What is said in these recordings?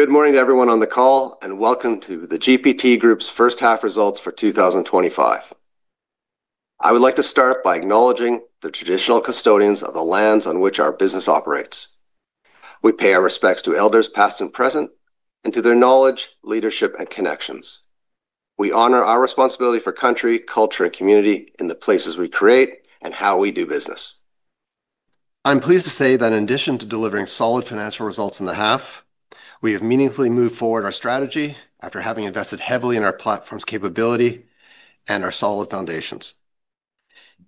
Good morning to everyone on the call and welcome to the GPT Group's first half results for 2025. I would like to start by acknowledging the traditional custodians of the lands on which our business operates. We pay our respects to elders past and present, and to their knowledge, leadership, and connections. We honor our responsibility for country, culture, and community in the places we create and how we do business. I'm pleased to say that in addition to delivering solid financial results in the half, we have meaningfully moved forward our strategy after having invested heavily in our platform's capability and our solid foundations.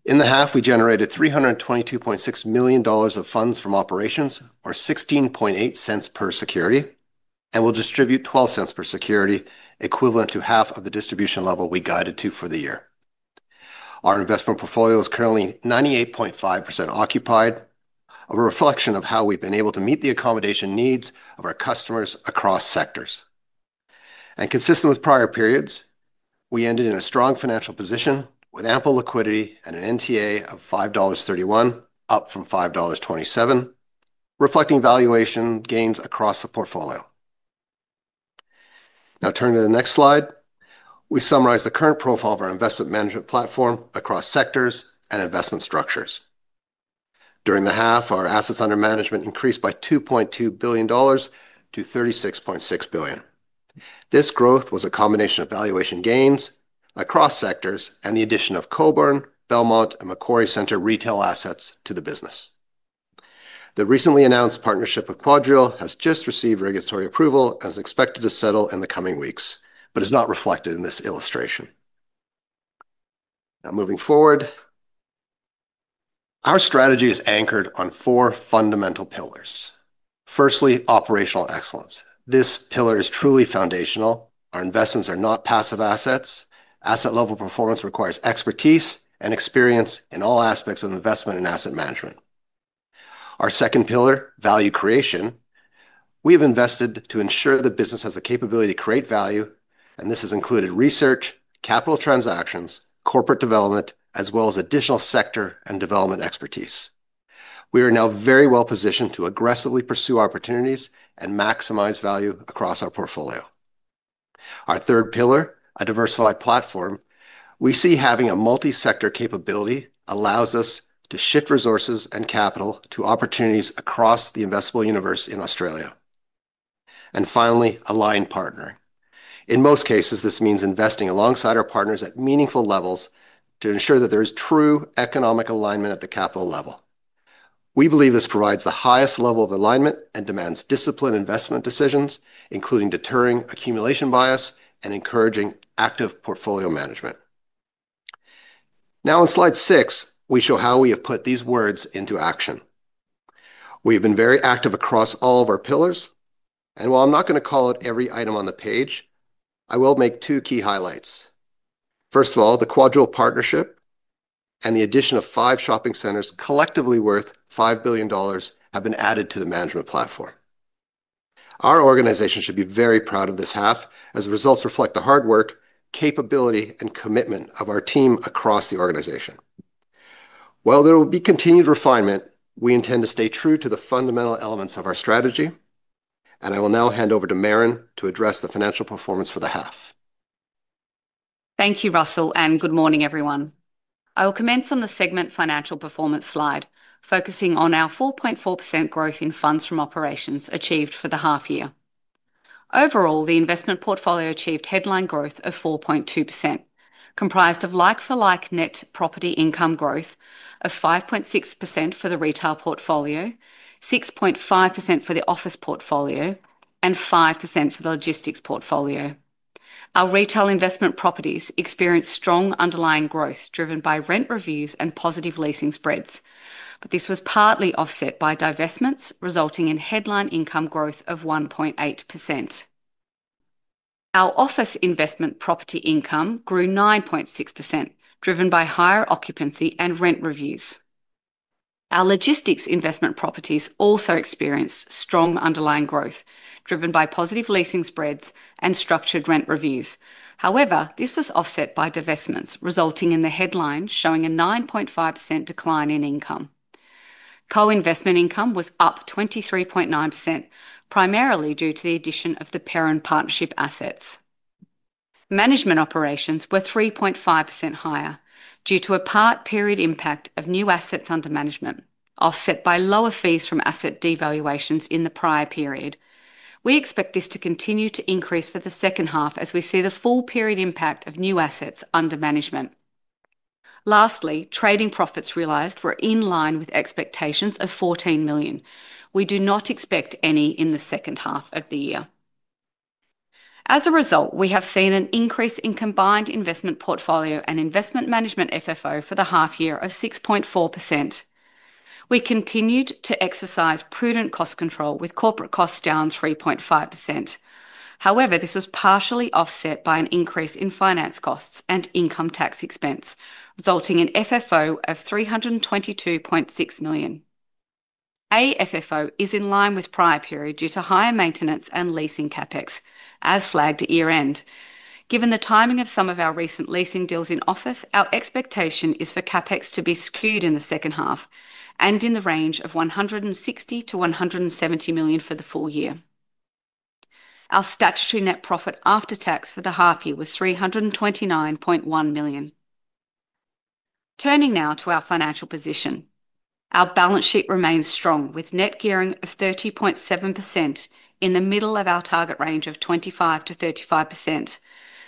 In the half, we generated $322.6 million of funds from operations, or $0.168 per security, and will distribute $0.12 per security, equivalent to half of the distribution level we guided to for the year. Our investment portfolio is currently 98.5% occupied, a reflection of how we've been able to meet the accommodation needs of our customers across sectors. Consistent with prior periods, we ended in a strong financial position with ample liquidity and an NTA of $5.31, up from $5.27, reflecting valuation gains across the portfolio. Now, turning to the next slide, we summarize the current profile of our investment management platform across sectors and investment structures. During the half, our assets under management increased by $2.2 billion-$36.6 billion. This growth was a combination of valuation gains across sectors and the addition of Cockburn Gateway, Belmont Forum, and Macquarie Centre retail assets to the business. The recently announced partnership with QuadReal has just received regulatory approval and is expected to settle in the coming weeks, but is not reflected in this illustration. Moving forward, our strategy is anchored on four fundamental pillars. Firstly, operational excellence. This pillar is truly foundational. Our investments are not passive assets. Asset-level performance requires expertise and experience in all aspects of investment and asset management. Our second pillar, value creation, we have invested to ensure the business has the capability to create value, and this has included research, capital transactions, corporate development, as well as additional sector and development expertise. We are now very well positioned to aggressively pursue opportunities and maximize value across our portfolio. Our third pillar, a diversified platform, we see having a multi-sector capability allows us to shift resources and capital to opportunities across the investable universe in Australia. Finally, aligned partnering. In most cases, this means investing alongside our partners at meaningful levels to ensure that there is true economic alignment at the capital level. We believe this provides the highest level of alignment and demands disciplined investment decisions, including deterring accumulation bias and encouraging active portfolio management. Now, in slide six, we show how we have put these words into action. We've been very active across all of our pillars, and while I'm not going to call out every item on the page, I will make two key highlights. First of all, the QuadReal partnership and the addition of five shopping centers collectively worth $5 billion have been added to the management platform. Our organization should be very proud of this half, as the results reflect the hard work, capability, and commitment of our team across the organization. While there will be continued refinement, we intend to stay true to the fundamental elements of our strategy, and I will now hand over to Merran to address the financial performance for the half. Thank you, Russell, and good morning, everyone. I will commence on the segment financial performance slide, focusing on our 4.4% growth in funds from operations achieved for the half year. Overall, the investment portfolio achieved headline growth of 4.2%, comprised of like-for-like net property income growth of 5.6% for the Retail portfolio, 6.5% for the office portfolio, and 5% for the logistics portfolio. Our retail investment properties experienced strong underlying growth driven by rent reviews and positive leasing spreads, but this was partly offset by divestments, resulting in headline income growth of 1.8%. Our office investment property income grew 9.6%, driven by higher occupancy and rent reviews. Our logistics investment properties also experienced strong underlying growth, driven by positive leasing spreads and structured rent reviews. However, this was offset by divestments, resulting in the headline showing a 9.5% decline in income. Co-investment income was up 23.9%, primarily due to the addition of the parent partnership assets. Management operations were 3.5% higher due to a part-period impact of new assets under management, offset by lower fees from asset devaluations in the prior period. We expect this to continue to increase for the second half as we see the full period impact of new assets under management. Lastly, trading profits realized were in line with expectations of $14 million. We do not expect any in the second half of the year. As a result, we have seen an increase in combined investment portfolio and investment management FFO for the half year of 6.4%. We continued to exercise prudent cost control with corporate costs down 3.5%. However, this was partially offset by an increase in finance costs and income tax expense, resulting in FFO of $322.6 million. FFO is in line with prior period due to higher maintenance and leasing CapEx, as flagged year-end. Given the timing of some of our recent leasing deals in office, our expectation is for CapEx to be skewed in the second half and in the range of $160-$170 million for the full year. Our statutory net profit after tax for the half year was $329.1 million. Turning now to our financial position, our balance sheet remains strong with net gearing of 30.7% in the middle of our target range of 25%-35%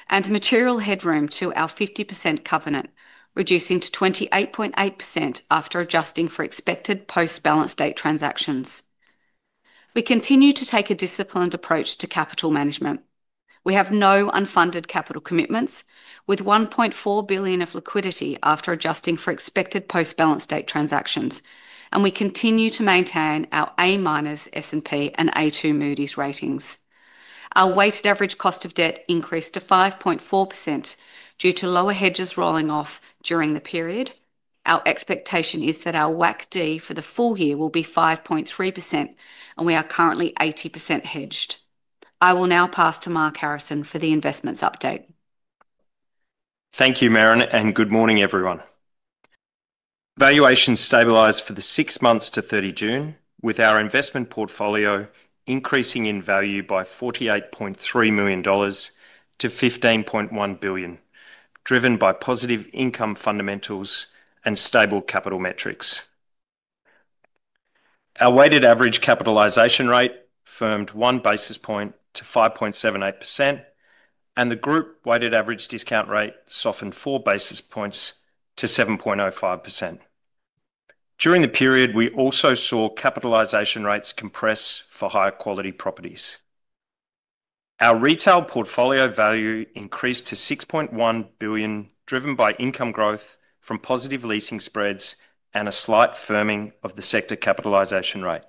and material headroom to our 50% covenant, reducing to 28.8% after adjusting for expected post-balance date transactions. We continue to take a disciplined approach to capital management. We have no unfunded capital commitments, with $1.4 billion of liquidity after adjusting for expected post-balance date transactions, and we continue to maintain our A- S&P and A2 Moody’s ratings. Our weighted average cost of debt increased to 5.4% due to lower hedges rolling off during the period. Our expectation is that our WACC-D for the full year will be 5.3%, and we are currently 80% hedged. I will now pass to Mark Harrison for the investments update. Thank you, Merran, and good morning, everyone. Valuations stabilized for the six months to 30 June, with our investment portfolio increasing in value by $48.3 million-$15.1 billion, driven by positive income fundamentals and stable capital metrics. Our weighted average capitalization rate firmed one basis point to 5.78%, and the group weighted average discount rate softened four basis points to 7.05%. During the period, we also saw capitalization rates compress for higher quality properties. Our retail portfolio value increased to $6.1 billion, driven by income growth from positive leasing spreads and a slight firming of the sector capitalization rate.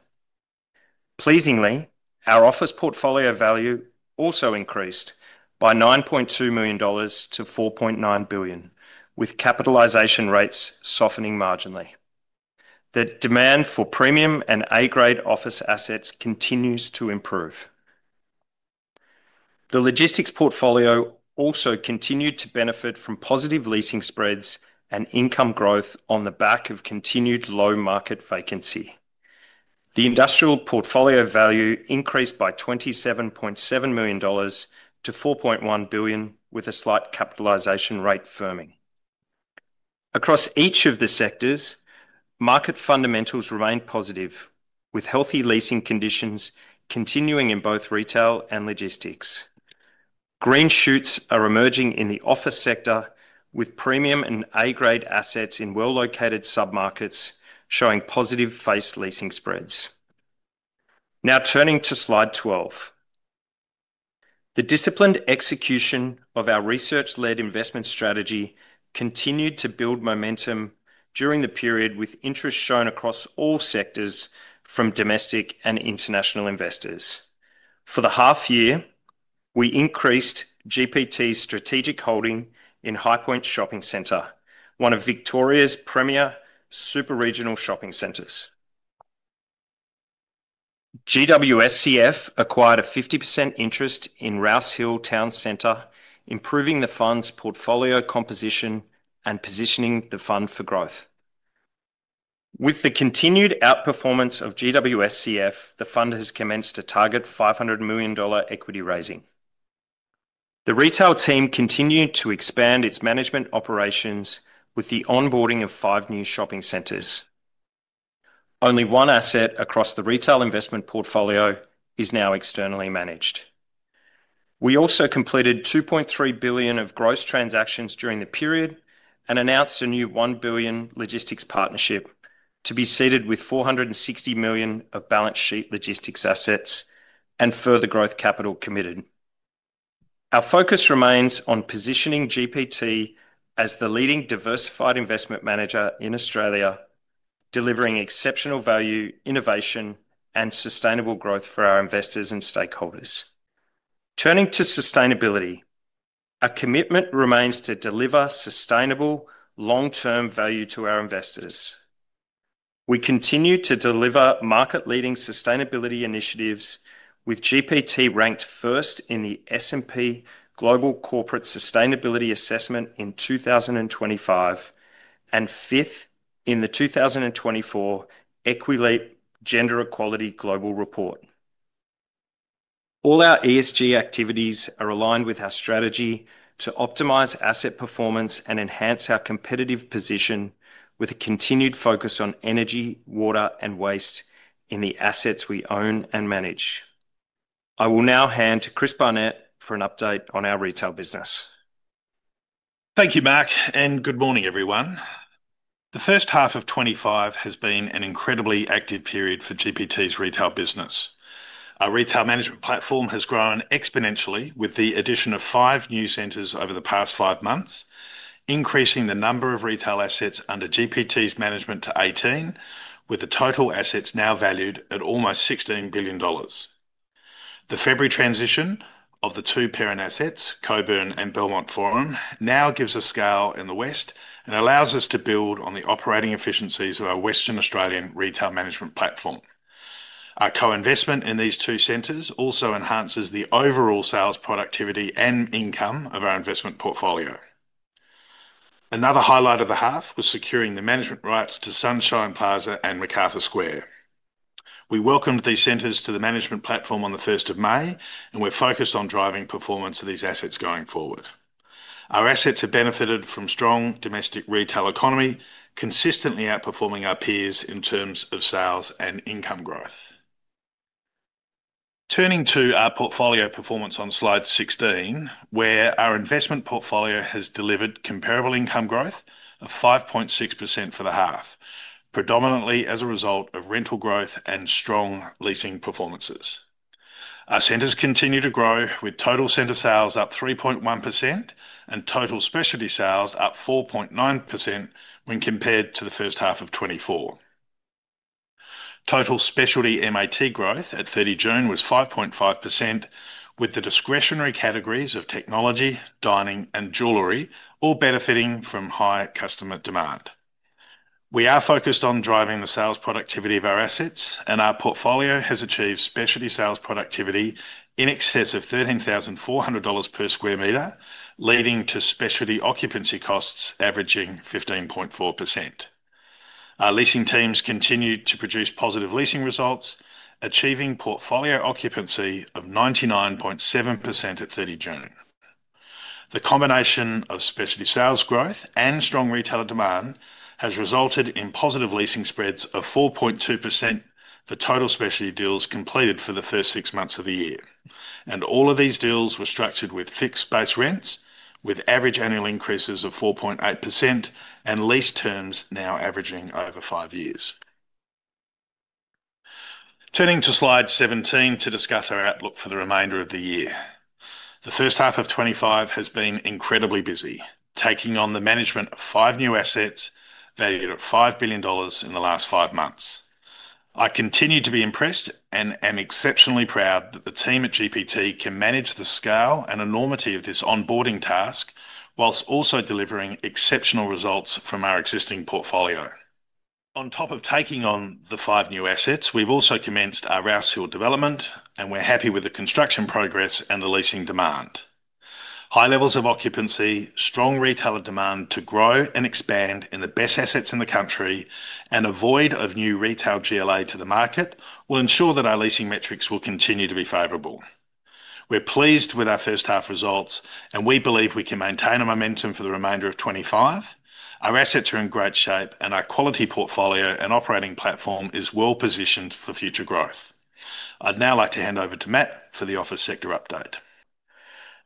Pleasingly, our office portfolio value also increased by $9.2 million-$4.9 billion, with capitalization rates softening marginally. The demand for premium and A-grade office assets continues to improve. The logistics portfolio also continued to benefit from positive leasing spreads and income growth on the back of continued low market vacancy. The industrial portfolio value increased by $27.7 million-$4.1 billion, with a slight capitalization rate firming. Across each of the sectors, market fundamentals remain positive, with healthy leasing conditions continuing in both retail and logistics. Green shoots are emerging in the office sector, with premium and A-grade assets in well-located submarkets showing positive face leasing spreads. Now, turning to slide 12, the disciplined execution of our research-led investment strategy continued to build momentum during the period, with interest shown across all sectors from domestic and international investors. For the half year, we increased GPT Group's strategic holding in Highpoint Shopping Centre, one of Victoria's Premier Super regional shopping centers. GWSCF acquired a 50% interest in Rouse Hill Town Centre, improving the fund's portfolio composition and positioning the fund for growth. With the continued outperformance of GWSCF, the fund has commenced a target $500 million equity raising. The retail team continued to expand its management operations with the onboarding of five new shopping centers. Only one asset across the retail investment portfolio is now externally managed. We also completed $2.3 billion of gross transactions during the period and announced a new $1 billion logistics partnership to be seeded with $460 million of balance sheet logistics assets and further growth capital committed. Our focus remains on positioning GPT Group as the leading diversified investment manager in Australia, delivering exceptional value, innovation, and sustainable growth for our investors and stakeholders. Turning to sustainability, our commitment remains to deliver sustainable, long-term value to our investors. We continue to deliver market-leading sustainability initiatives, with GPT Group ranked first in the S&P Global Corporate Sustainability Assessment in 2025 and fifth in the 2024 Equileap Gender Equality Global Report. All our ESG activities are aligned with our strategy to optimize asset performance and enhance our competitive position with a continued focus on energy, water, and waste in the assets we own and manage. I will now hand to Chris Barnett for an update on our retail business. Thank you, Mark, and good morning, everyone. The first half of 2025 has been an incredibly active period for GPT Group's retail business. Our retail management platform has grown exponentially with the addition of five new centers over the past five months, increasing the number of retail assets under GPT Group's management to 18, with the total assets now valued at almost $16 billion. The February transition of the two parent assets, Cockburn Gateway and Belmont Forum, now gives us scale in the West and allows us to build on the operating efficiencies of our Western Australian retail management platform. Our co-investment in these two centers also enhances the overall sales productivity and income of our investment portfolio. Another highlight of the half was securing the management rights to Sunshine Plaza and Macarthur Square. We welcomed these centers to the management platform on the 1st of May, and we're focused on driving performance of these assets going forward. Our assets have benefited from a strong domestic retail economy, consistently outperforming our peers in terms of sales and income growth. Turning to our portfolio performance on slide 16, where our investment portfolio has delivered comparable income growth of 5.6% for the half, predominantly as a result of rental growth and strong leasing performances. Our centers continue to grow, with total center sales up 3.1% and total specialty sales up 4.9% when compared to the first half of 2024. Total specialty MAT growth at 30 June was 5.5%, with the discretionary categories of technology, dining, and jewelry all benefiting from high customer demand. We are focused on driving the sales productivity of our assets, and our portfolio has achieved specialty sales productivity in excess of $13,400 per square meter, leading to specialty occupancy costs averaging 15.4%. Our leasing teams continue to produce positive leasing results, achieving portfolio occupancy of 99.7% at 30 June. The combination of specialty sales growth and strong retailer demand has resulted in positive leasing spreads of 4.2% for total specialty deals completed for the first six months of the year. All of these deals were structured with fixed base rents, with average annual increases of 4.8% and lease terms now averaging over five years. Turning to slide 17 to discuss our outlook for the remainder of the year. The first half of 2025 has been incredibly busy, taking on the management of five new assets valued at $5 billion in the last five months. I continue to be impressed and am exceptionally proud that the team at GPT Group can manage the scale and enormity of this onboarding task, whilst also delivering exceptional results from our existing portfolio. On top of taking on the five new assets, we've also commenced our Rouse Hill development, and we're happy with the construction progress and the leasing demand. High levels of occupancy, strong retailer demand to grow and expand in the best assets in the country, and a void of new retail GLA to the market will ensure that our leasing metrics will continue to be favorable. We're pleased with our first half results, and we believe we can maintain momentum for the remainder of 2025. Our assets are in great shape, and our quality portfolio and operating platform are well positioned for future growth. I'd now like to hand over to Matthew Brown for the office sector update.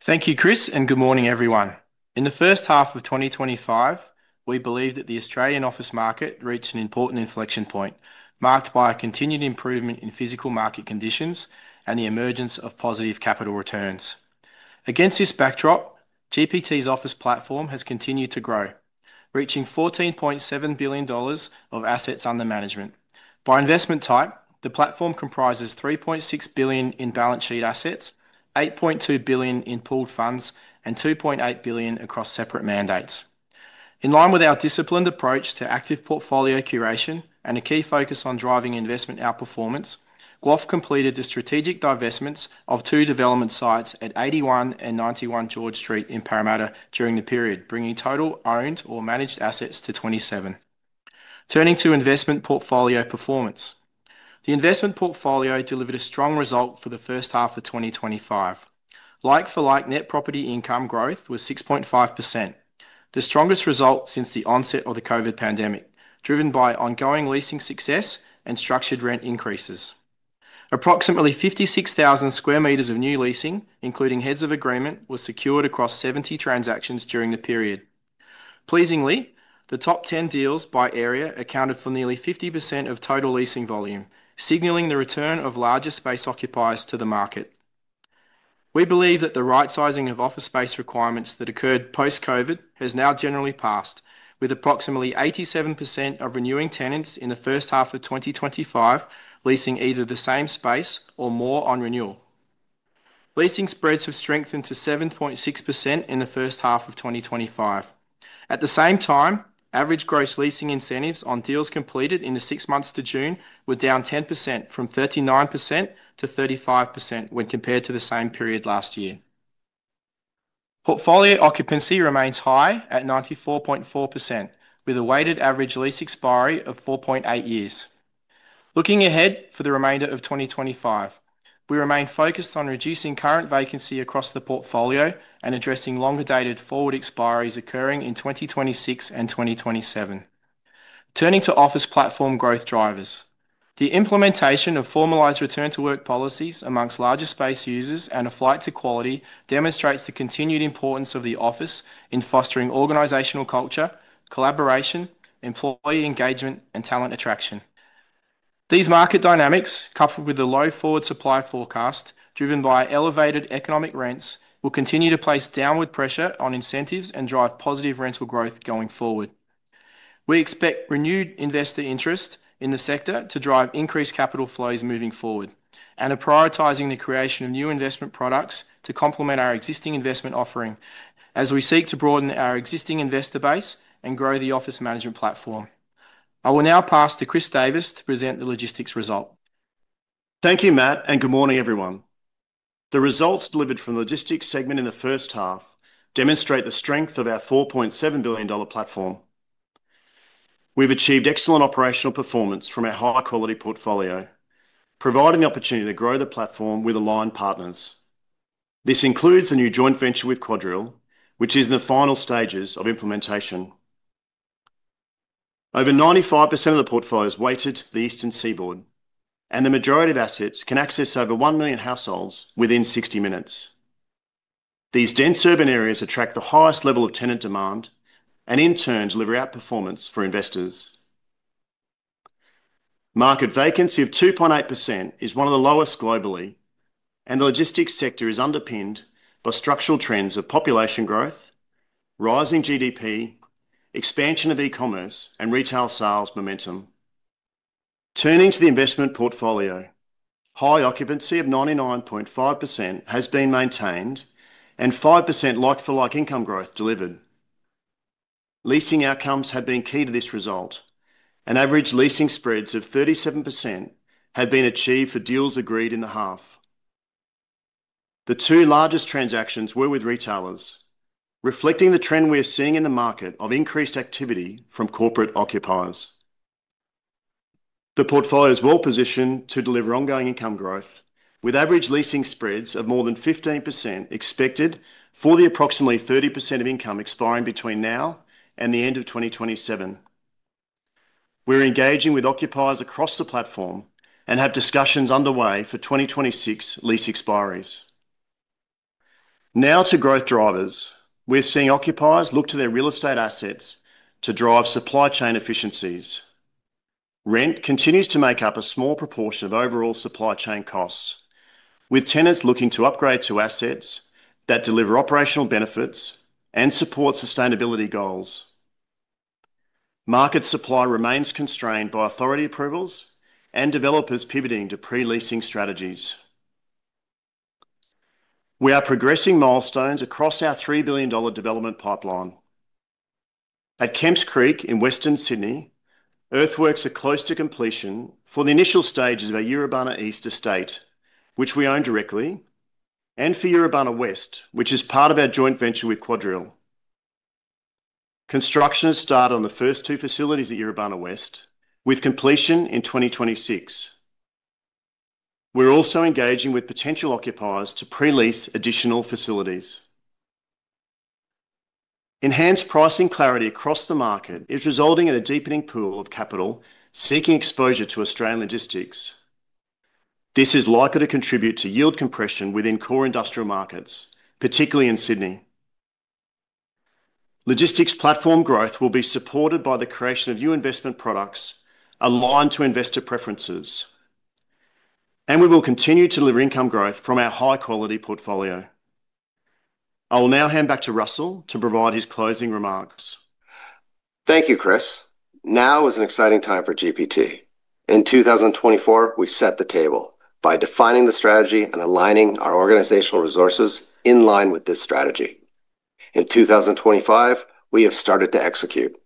Thank you, Chris, and good morning, everyone. In the first half of 2025, we believe that the Australian office market reached an important inflection point, marked by a continued improvement in physical market conditions and the emergence of positive capital returns. Against this backdrop, GPT Group's Office Portfolio has continued to grow, reaching $14.7 billion of assets under management. By investment type, the platform comprises $3.6 billion in balance sheet assets, $8.2 billion in pooled funds, and $2.8 billion across separate mandates. In line with our disciplined approach to active portfolio curation and a key focus on driving investment outperformance, QuadReal completed the strategic divestments of two development sites at 81 and 91 George Street in Parramatta during the period, bringing total owned or managed assets to 27. Turning to investment portfolio performance, the investment portfolio delivered a strong result for the first half of 2025. Like-for-like net property income growth was 6.5%, the strongest result since the onset of the COVID pandemic, driven by ongoing leasing success and structured rent increases. Approximately 56,000 square meters of new leasing, including heads of agreement, were secured across 70 transactions during the period. Pleasingly, the top 10 deals by area accounted for nearly 50% of total leasing volume, signaling the return of larger space occupiers to the market. We believe that the right sizing of office space requirements that occurred post-COVID has now generally passed, with approximately 87% of renewing tenants in the first half of 2025 leasing either the same space or more on renewal. Leasing spreads have strengthened to 7.6% in the first half of 2025. At the same time, average gross leasing incentives on deals completed in the six months to June were down 10% from 39%-35% when compared to the same period last year. Portfolio occupancy remains high at 94.4%, with a weighted average lease expiry of 4.8 years. Looking ahead for the remainder of 2025, we remain focused on reducing current vacancy across the portfolio and addressing longer-dated forward expiry occurring in 2026 and 2027. Turning to office platform growth drivers, the implementation of formalized return-to-work policies amongst larger space users and a flight to quality demonstrates the continued importance of the office in fostering organizational culture, collaboration, employee engagement, and talent attraction. These market dynamics, coupled with the low forward supply forecast driven by elevated economic rents, will continue to place downward pressure on incentives and drive positive rental growth going forward. We expect renewed investor interest in the sector to drive increased capital flows moving forward and are prioritizing the creation of new investment products to complement our existing investment offering as we seek to broaden our existing investor base and grow the office management platform. I will now pass to Chris Davis to present the logistics result. Thank you, Matt, and good morning, everyone. The results delivered from the logistics segment in the first half demonstrate the strength of our $4.7 billion platform. We've achieved excellent operational performance from our high-quality portfolio, providing the opportunity to grow the platform with aligned partners. This includes a new joint venture with QuadReal, which is in the final stages of implementation. Over 95% of the portfolio is weighted to the Eastern Seaboard, and the majority of assets can access over 1 million households within 60 minutes. These dense urban areas attract the highest level of tenant demand and, in turn, deliver outperformance for investors. Market vacancy of 2.8% is one of the lowest globally, and the logistics sector is underpinned by structural trends of population growth, rising GDP, expansion of e-commerce, and retail sales momentum. Turning to the investment portfolio, high occupancy of 99.5% has been maintained and 5% like-for-like income growth delivered. Leasing outcomes have been key to this result, and average leasing spreads of 37% have been achieved for deals agreed in the half. The two largest transactions were with retailers, reflecting the trend we are seeing in the market of increased activity from corporate occupiers. The portfolio is well positioned to deliver ongoing income growth, with average leasing spreads of more than 15% expected for the approximately 30% of income expiring between now and the end of 2027. We're engaging with occupiers across the platform and have discussions underway for 2026 lease expires. Now to growth drivers, we're seeing occupiers look to their real estate assets to drive supply chain efficiencies. Rent continues to make up a small proportion of overall supply chain costs, with tenants looking to upgrade to assets that deliver operational benefits and support sustainability goals. Market supply remains constrained by authority approvals and developers pivoting to pre-leasing strategies. We are progressing milestones across our $3 billion development pipeline. At Kemps Creek in Western Sydney, earthworks are close to completion for the initial stages of our Yeramba East Estate, which we own directly, and for Yeramba West, which is part of our joint venture with QuadReal. Construction has started on the first two facilities at Yeramba West, with completion in 2026. We're also engaging with potential occupiers to pre-lease additional facilities. Enhanced pricing clarity across the market is resulting in a deepening pool of capital seeking exposure to Australian logistics. This is likely to contribute to yield compression within core industrial markets, particularly in Sydney. Logistics platform growth will be supported by the creation of new investment products aligned to investor preferences, and we will continue to deliver income growth from our high-quality portfolio. I will now hand back to Russell to provide his closing remarks. Thank you, Chris. Now is an exciting time for GPT. In 2024, we set the table by defining the strategy and aligning our organizational resources in line with this strategy. In 2025, we have started to execute,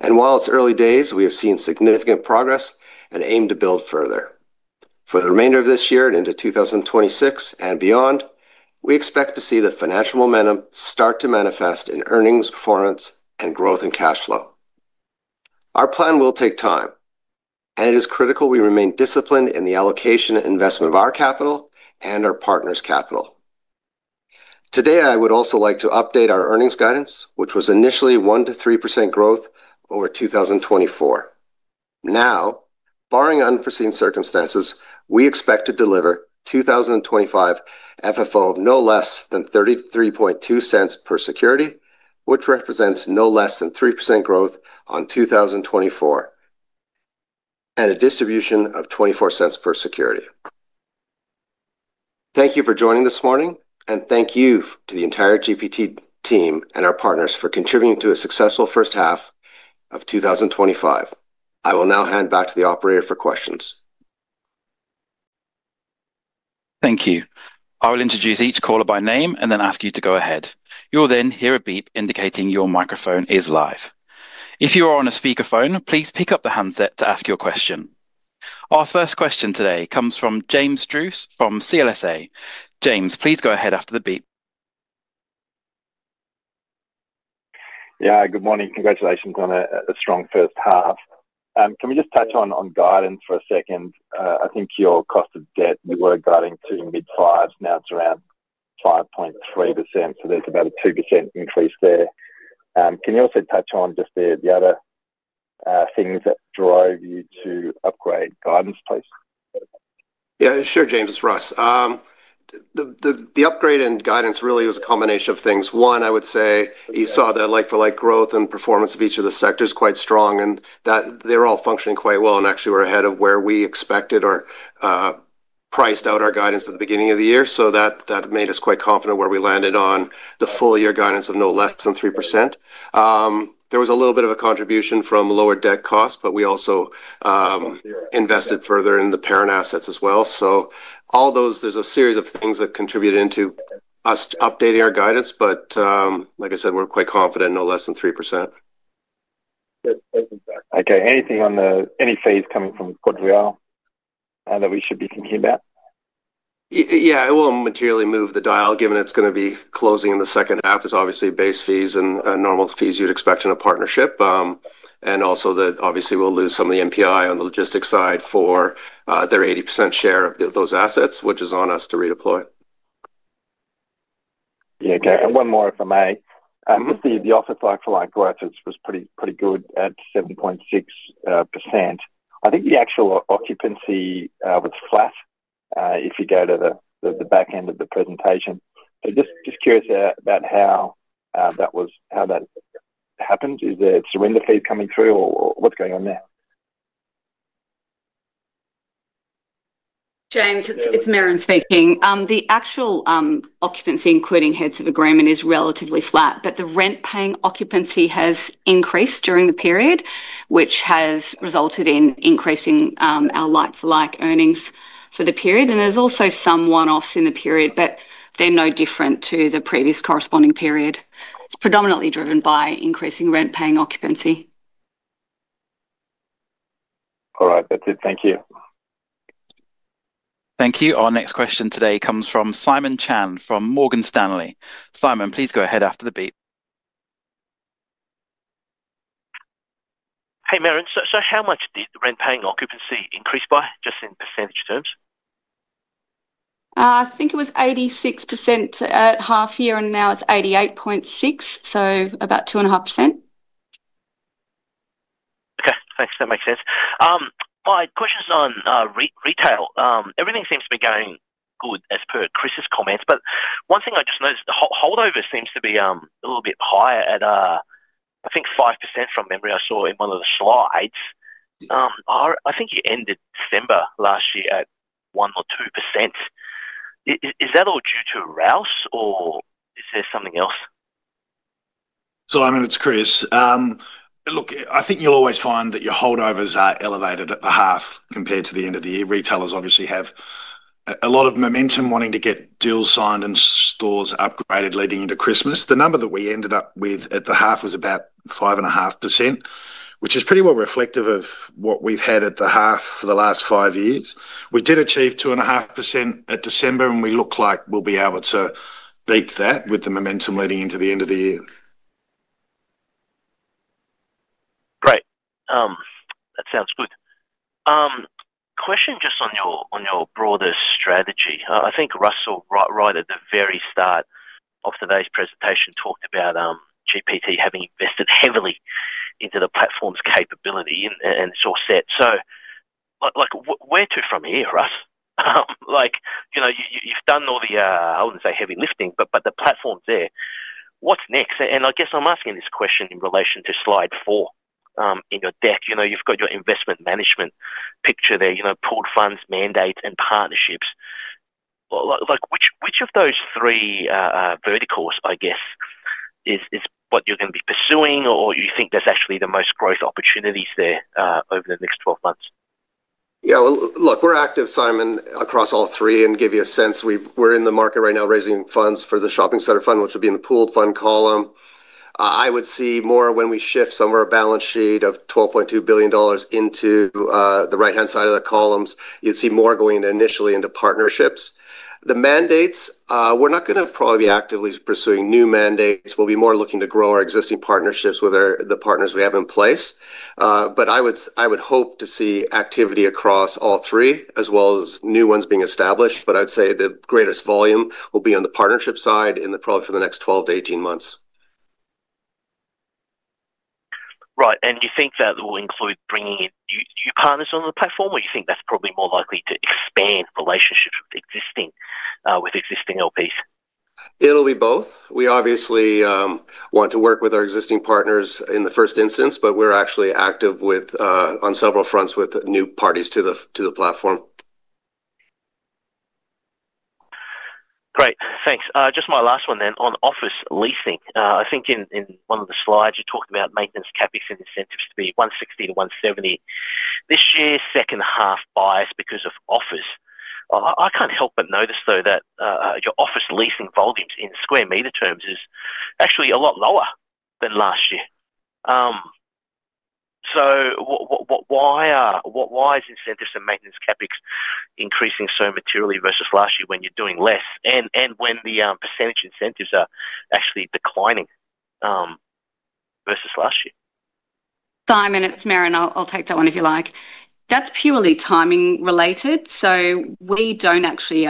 and while it's early days, we have seen significant progress and aim to build further. For the remainder of this year and into 2026 and beyond, we expect to see the financial momentum start to manifest in earnings, performance, and growth in cash flow. Our plan will take time, and it is critical we remain disciplined in the allocation and investment of our capital and our partners' capital. Today, I would also like to update our earnings guidance, which was initially 1%-3% growth over 2024. Now, barring unforeseen circumstances, we expect to deliver 2025 FFO of no less than $0.332 per security, which represents no less than 3% growth on 2024, and a distribution of $0.24 per security. Thank you for joining this morning, and thank you to the entire GPT team and our partners for contributing to a successful first half of 2025. I will now hand back to the operator for questions. Thank you. I will introduce each caller by name and then ask you to go ahead. You'll then hear a beep indicating your microphone is live. If you are on a speaker phone, please pick up the handset to ask your question. Our first question today comes from James Druce from CLSA. James, please go ahead after the beep. Yeah, good morning. Congratulations on a strong first half. Can we just touch on guidance for a second? I think your cost of debt, you were guiding to mid-5%, now it's around 5.3%, so there's about a 2% increase there. Can you also touch on just the other things that drove you to upgrade guidance, please? Yeah, sure, James. It's Russ. The upgrade in guidance really was a combination of things. One, I would say you saw the like-for-like growth and performance of each of the sectors quite strong, and that they're all functioning quite well and actually were ahead of where we expected or priced out our guidance at the beginning of the year. That made us quite confident where we landed on the full year guidance of no less than 3%. There was a little bit of a contribution from lower debt costs, but we also invested further in the parent assets as well. All those, there's a series of things that contributed into us updating our guidance, but like I said, we're quite confident no less than 3%. Okay, anything on the any fees coming from QuadReal that we should be thinking about? Yeah, it will materially move the dial given it's going to be closing in the second half. It's obviously base fees and normal fees you'd expect in a partnership. Also, obviously we'll lose some of the MPI on the logistics side for their 80% share of those assets, which is on us to redeploy. Okay. One more if I may. I perceive the Office Portfolio like-for-like net property income growth was pretty good at 7.6%. I think the actual occupancy was flat if you go to the back end of the presentation. Just curious about how that happened. Is there surrender fees coming through or what's going on there? James, it's Merran speaking. The actual occupancy, including heads of agreement, is relatively flat, but the rent-paying occupancy has increased during the period, which has resulted in increasing our like-for-like earnings for the period. There are also some one-offs in the period, but they're no different to the previous corresponding period. It's predominantly driven by increasing rent-paying occupancy. All right, that's it. Thank you. Thank you. Our next question today comes from Simon Chan from Morgan Stanley. Simon, please go ahead after the beep. Hey Merran, how much did the rent-paying occupancy increase by, just in % terms? I think it was 86% at half year and now it's 88.6%, so about 2.5%. Okay, thanks. That makes sense. My question is on retail. Everything seems to be going good as per Chris's comments, but one thing I just noticed, the holdover seems to be a little bit higher at, I think, 5% from memory I saw in one of the slides. I think you ended December last year at 1% or 2%. Is that all due to Rouse or is there something else? I'm in, it's Chris. I think you'll always find that your holdovers are elevated at the half compared to the end of the year. Retailers obviously have a lot of momentum wanting to get deals signed and stores upgraded, leading into Christmas. The number that we ended up with at the half was about 5.5%, which is pretty well reflective of what we've had at the half for the last five years. We did achieve 2.5% at December, and we look like we'll be able to beat that with the momentum leading into the end of the year. Great. That sounds good. Question just on your broader strategy. I think Russell, right at the very start of today's presentation, talked about GPT Group having invested heavily into the platform's capability and it's all set. Where to from here, Russ? You've done all the, I wouldn't say heavy lifting, but the platform's there. What's next? I guess I'm asking this question in relation to slide four in your deck. You've got your investment management picture there, pooled funds, mandates, and partnerships. Which of those three verticals is what you're going to be pursuing or you think there's actually the most growth opportunities there over the next 12 months? Yeah, look, we're active, Simon, across all three and give you a sense. We're in the market right now raising funds for the shopping center fund, which will be in the pooled fund column. I would see more when we shift somewhere a balance sheet of $12.2 billion into the right-hand side of the columns. You'd see more going initially into partnerships. The mandates, we're not going to probably be actively pursuing new mandates. We'll be more looking to grow our existing partnerships with the partners we have in place. I would hope to see activity across all three, as well as new ones being established. I'd say the greatest volume will be on the partnership side in the probably for the next 12-18 months. Right, and you think that will include bringing in new partners on the platform, or you think that's probably more likely to expand relationships with existing LPs? It'll be both. We obviously want to work with our existing partners in the first instance, but we're actually active on several fronts with new parties to the platform. Great, thanks. Just my last one then on office leasing. I think in one of the slides, you're talking about maintenance CapEx and incentives to be $160 million-$170 million this year, second half biased because of offers. I can't help but notice though that your office leasing volumes in square meter terms are actually a lot lower than last year. Why are incentives and maintenance CapEx increasing so materially versus last year when you're doing less and when the % incentives are actually declining versus last year? Simon, it's Merran. I'll take that one if you like. That's purely timing related. We don't actually,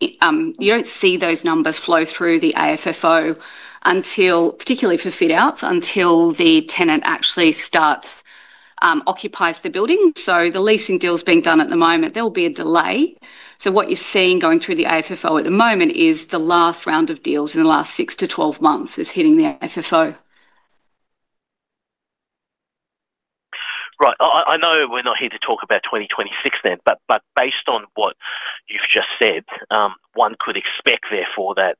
you don't see those numbers flow through the AFFO until, particularly for fit-outs, until the tenant actually starts occupying the building. The leasing deals being done at the moment, there will be a delay. What you're seeing going through the AFFO at the moment is the last round of deals in the last 6-12 months is hitting the AFFO. Right. I know we're not here to talk about 2026, but based on what you've just said, one could expect, therefore, that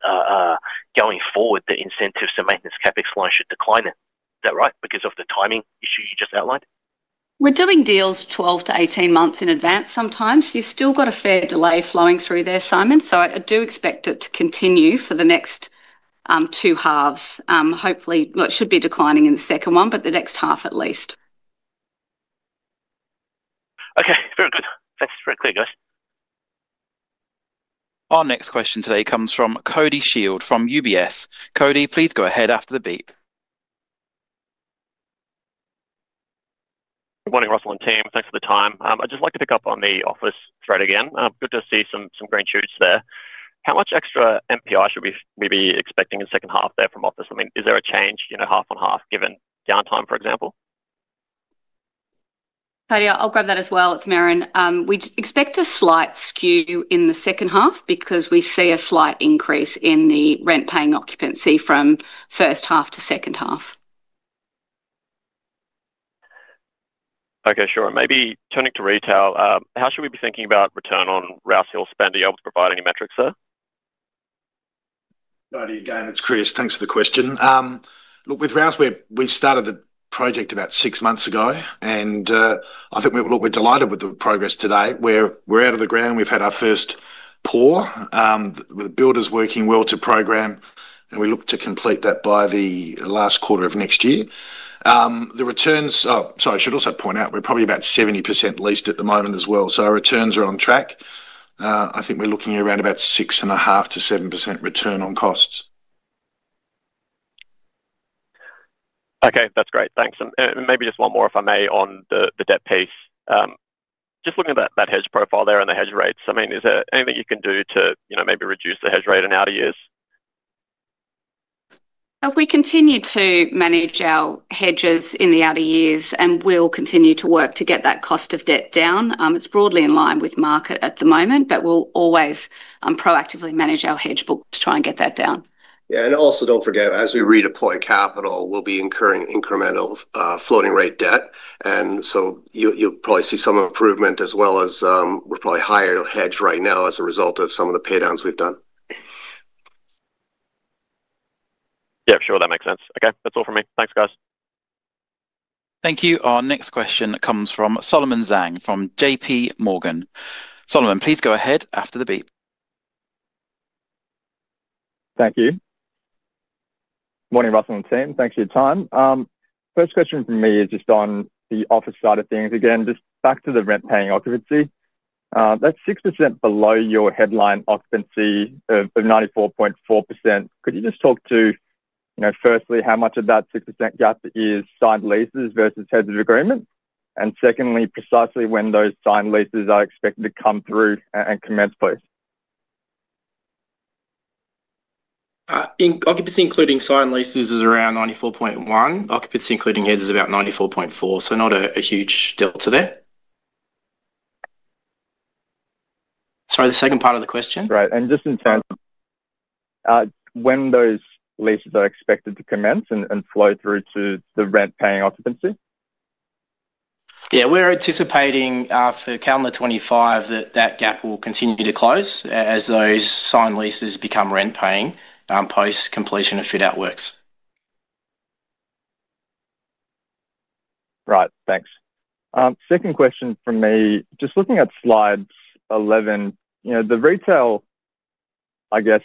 going forward, the incentives and maintenance CapEx line should decline. Is that right? Because of the timing issue you just outlined? We're doing deals 12-18 months in advance sometimes. You've still got a fair delay flowing through there, Simon. I do expect it to continue for the next two halves. Hopefully, it should be declining in the second one, but the next half at least. Okay, very good. That's very clear, guys. Our next question today comes from Cody Shield from UBS. Cody, please go ahead after the beep. Good morning, Russell and team. Thanks for the time. I'd just like to pick up on the office thread again. Good to see some green shoots there. How much extra MPI should we be expecting in the second half there from office? I mean, is there a change, you know, half on half given downtime, for example? Cody, I'll grab that as well. It's Merran. We expect a slight skew in the second half because we see a slight increase in the rent-paying occupancy from first half to second half. Okay, sure. Maybe turning to retail, how should we be thinking about return on Rouse Hill spend? Are you able to provide any metrics there? Again, it's Chris. Thanks for the question. Look, with Rouse, we started the project about six months ago, and I think we're delighted with the progress today. We're out of the ground. We've had our first pour. The builders are working well to program, and we look to complete that by the last quarter of next year. The returns, oh, sorry, I should also point out we're probably about 70% leased at the moment as well. Our returns are on track. I think we're looking at around about 6.5%-7% return on costs. Okay, that's great. Thanks. Maybe just one more if I may on the debt piece. Just looking at that hedge profile there and the hedge rates, is there anything you can do to, you know, maybe reduce the hedge rate in outer years? We continue to manage our hedges in the outer years, and we'll continue to work to get that cost of debt down. It's broadly in line with market at the moment, but we'll always proactively manage our hedge to try and get that down. Yeah, also don't forget, as we redeploy capital, we'll be incurring incremental floating rate debt. You'll probably see some improvement as well, as we're probably higher hedge right now as a result of some of the paydowns we've done. Yeah, sure, that makes sense. Okay, that's all for me. Thanks, guys. Thank you. Our next question comes from Solomon Zhang from JPMorgan. Solomon, please go ahead after the beep. Thank you. Morning, Russell and team. Thanks for your time. First question from me is just on the office side of things. Again, just back to the rent-paying occupancy. That's 6% below your headline occupancy of 94.4%. Could you just talk to, you know, firstly, how much of that 6% gap is signed leases versus heads of agreement? Secondly, precisely when those signed leases are expected to come through and commence, please? Occupancy including signed leases is around 94.1%. Occupancy including heads is about 94.4%. Not a huge delta there. Sorry, the second part of the question. Right. Just in terms of when those leases are expected to commence and flow through to the rent-paying occupancy? Yeah, we're anticipating for calendar 2025 that that gap will continue to close as those signed leases become rent-paying post completion of fit-out works. Right, thanks. Second question from me, just looking at slide 11, the retail, I guess,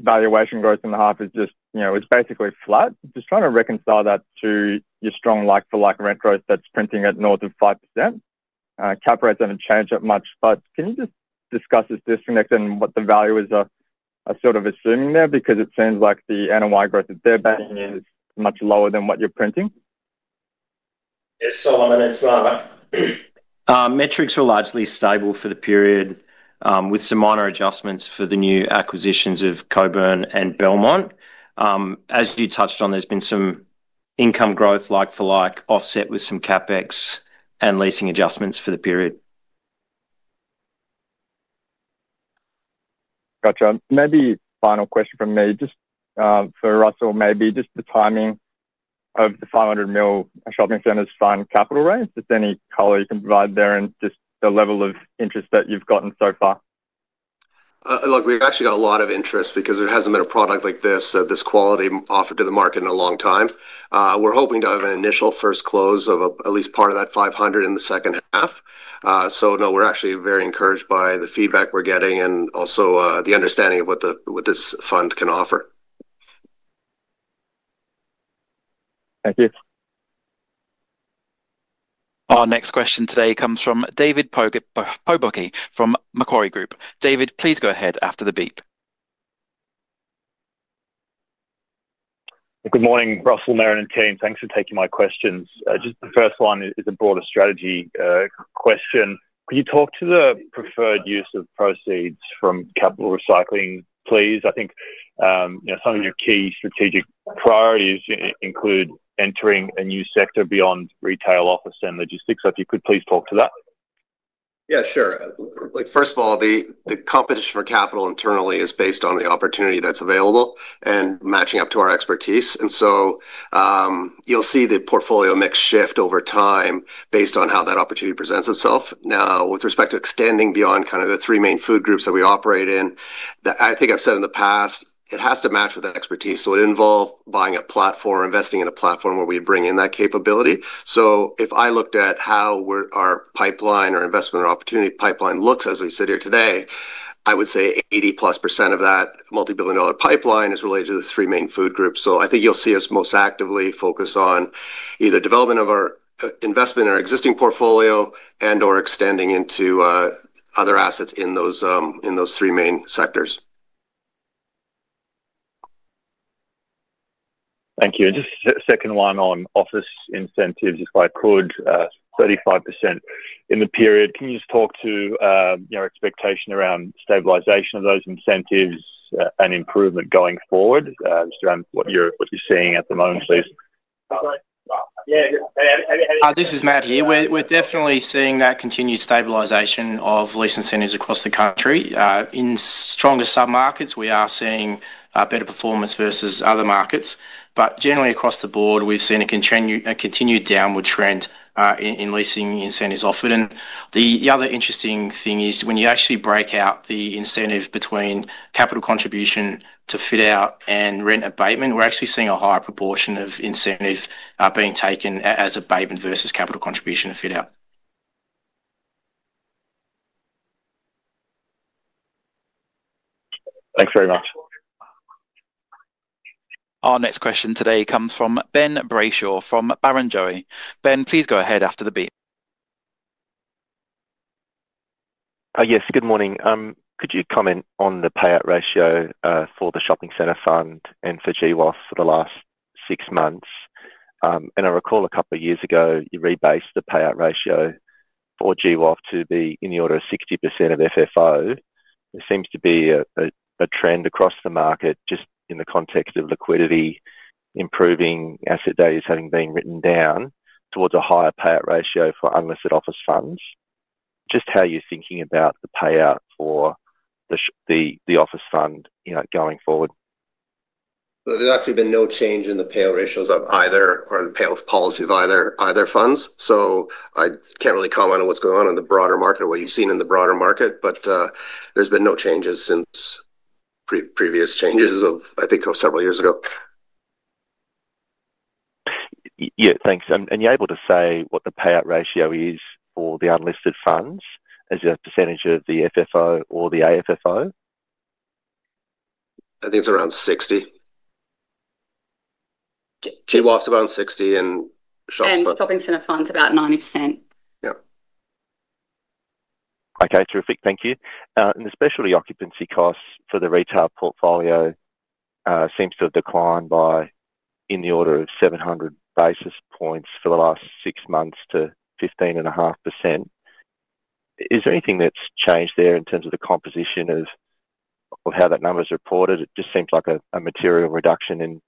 valuation growth in the half is just, it's basically flat. Just trying to reconcile that to your strong like-for-like rent growth that's printing at north of 5%. Cap rates haven't changed that much, but can you just discuss this disconnect and what the valuers are sort of assuming there? It seems like the NOI growth that they're paying is much lower than what you're printing. Solomon, it's Mark. Metrics are largely stable for the period, with some minor adjustments for the new acquisitions of Cockburn Gateway and Belmont Forum. As you touched on, there's been some income growth, like-for-like, offset with some CapEx and leasing adjustments for the period. Gotcha. Maybe final question from me, just for Russell, maybe just the timing of the $500 million shopping centers fund capital raise. Is there any color you can provide there and just the level of interest that you've gotten so far? Look, we've actually got a lot of interest because there hasn't been a product like this, this quality offered to the market in a long time. We're hoping to have an initial first close of at least part of that $500 million in the second half. We're actually very encouraged by the feedback we're getting and also the understanding of what this fund can offer. Thank you. Our next question today comes from David Pobucky from Macquarie Group. David, please go ahead after the beep. Good morning, Russell, Merran, and team. Thanks for taking my questions. The first one is a broader strategy question. Could you talk to the preferred use of proceeds from capital recycling, please? I think some of your key strategic priorities include entering a new sector beyond retail, office, and logistics. If you could please talk to that. Yeah, sure. First of all, the competition for capital internally is based on the opportunity that's available and matching up to our expertise. You'll see the portfolio mix shift over time based on how that opportunity presents itself. Now, with respect to extending beyond the three main food groups that we operate in, I think I've said in the past, it has to match with expertise. It would involve buying a platform, investing in a platform where we bring in that capability. If I looked at how our pipeline, our investment or opportunity pipeline looks as we sit here today, I would say 80+% of that multi-billion dollar pipeline is related to the three main food groups. I think you'll see us most actively focus on either development of or investment in our existing portfolio and/or extending into other assets in those three main sectors. Thank you. Just a second one on office incentives, if I could, 35% in the period. Can you just talk to your expectation around stabilization of those incentives and improvement going forward? Just around what you're seeing at the moment, please. This is Matt here. We're definitely seeing that continued stabilization of lease incentives across the country. In stronger submarkets, we are seeing better performance versus other markets. Generally across the board, we've seen a continued downward trend in leasing incentives offered. The other interesting thing is when you actually break out the incentive between capital contribution to fit out and rent abatement, we're actually seeing a higher proportion of incentive being taken as abatement versus capital contribution to fit out. Thanks very much. Our next question today comes from Ben Brayshaw from Barrenjoey. Ben, please go ahead after the beep. Yes, good morning. Could you comment on the payout ratio for the shopping center fund and for GWOF for the last six months? I recall a couple of years ago, you rebased the payout ratio for GWOF to be in the order of 60% of FFO. There seems to be a trend across the market just in the context of liquidity improving, asset values having been written down towards a higher payout ratio for unlisted office funds. Just how are you thinking about the payout for the office fund going forward? There's actually been no change in the payout ratios of either or in the payout policy of either funds. I can't really comment on what's going on in the broader market, what you've seen in the broader market, but there's been no changes since previous changes of, I think, several years ago. Thank you. Are you able to say what the payout ratio is for the unlisted funds as a percentage of the FFO or the AFFO? I think it's around 60. GWOF's about 60% and. Shopping center funds about 90%. Okay, terrific. Thank you. The specialty occupancy costs for the retail portfolio seem to have declined by in the order of 700 basis points for the last six months to 15.5%. Is there anything that's changed there in terms of the composition of how that number is reported? It just seems like a material reduction in.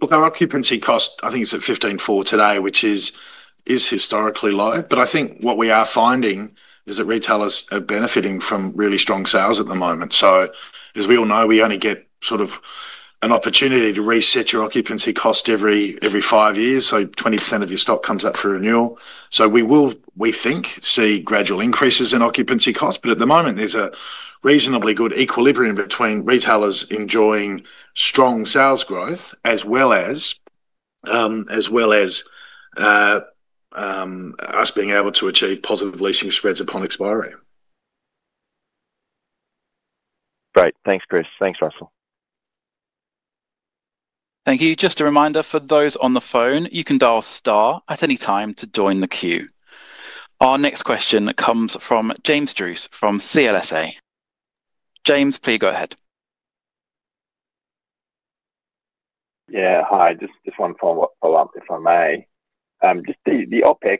Look, our occupancy cost, I think, is at 15.4% today, which is historically low. I think what we are finding is that retailers are benefiting from really strong sales at the moment. As we all know, we only get sort of an opportunity to reset your occupancy cost every five years. 20% of your stock comes up for renewal. We will, we think, see gradual increases in occupancy costs. At the moment, there's a reasonably good equilibrium between retailers enjoying strong sales growth as well as us being able to achieve positive leasing spreads upon expiry. Great. Thanks, Chris. Thanks, Russell. Thank you. Just a reminder for those on the phone, you can dial * at any time to join the queue. Our next question comes from James Druce from CLSA. James, please go ahead. Yeah, hi. Just one follow-up, if I may. Just the OpEx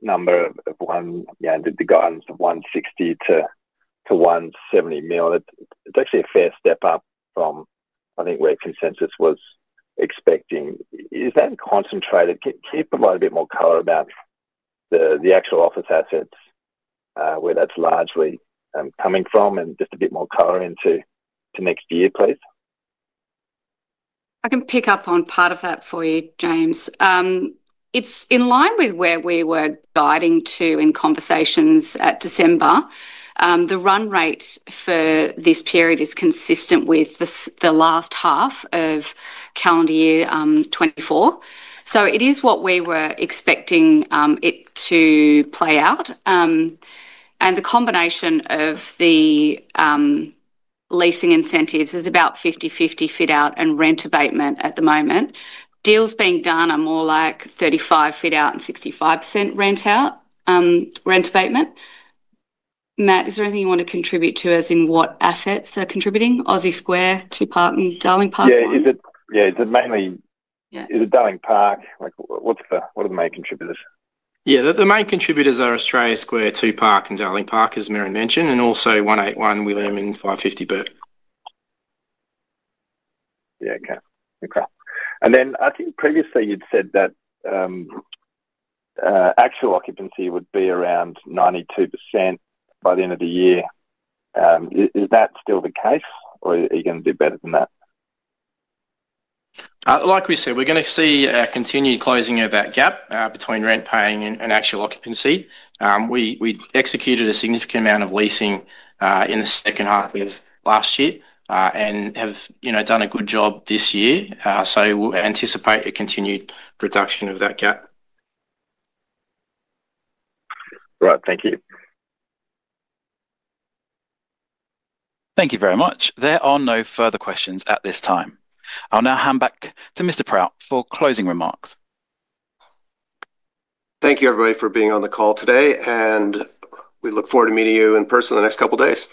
number of, you know, the guidance of $160-$170 million, it's actually a fair step up from, I think, where consensus was expecting. Is that concentrated? Can you provide a bit more color about the actual office assets, where that's largely coming from, and just a bit more color into next year, please? I can pick up on part of that for you, James. It's in line with where we were guiding to in conversations at December. The run rate for this period is consistent with the last half of calendar year 2024. It is what we were expecting it to play out. The combination of the leasing incentives is about 50% fit-out and 50% rent abatement at the moment. Deals being done are more like 35% fit-out and 65% rent abatement. Matt, is there anything you want to contribute to as in what assets are contributing? Australia Square, Two Park, and Darling Park? Is it mainly Darling Park? What are the main contributors? Yeah, the main contributors are Australia Square, Two Park, and Darling Park, as Merran mentioned, and also 181 William, 550 Bourke. Okay. I think previously you'd said that actual occupancy would be around 92% by the end of the year. Is that still the case, or are you going to do better than that? Like we said, we're going to see a continued closing of that gap between rent paying and actual occupancy. We executed a significant amount of leasing in the second half of last year and have done a good job this year. We anticipate a continued reduction of that gap. Right, thank you. Thank you very much. There are no further questions at this time. I'll now hand back to Mr. Proutt for closing remarks. Thank you, everybody, for being on the call today. We look forward to meeting you in person in the next couple of days.